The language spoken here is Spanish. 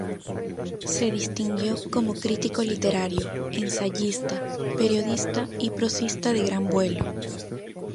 Se distinguió como crítico literario, ensayista, periodista, y prosista de gran vuelo.